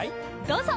どうぞ！